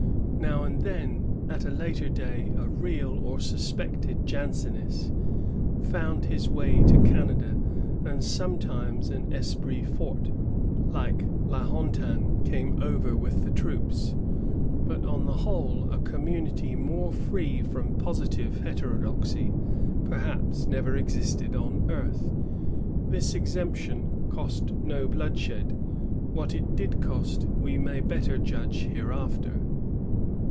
^ Now and then at a later day a real or suspected Jansenist found his way to Canada, and sometimes an esprit forty like La Hontan, came over with the troops ; but on the whole a community more free from positive heterodoxy per haps never existed on earth. This exemption cost no bloodshed. What it did cost we may better judge hereafter.